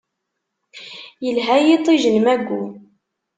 Yelha yiṭij n mayu.